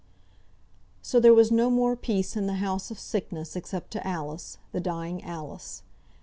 So there was no more peace in the house of sickness, except to Alice, the dying Alice.